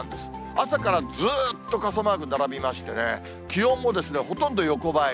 朝からずっと傘マーク並びましてね、気温もほとんど横ばい。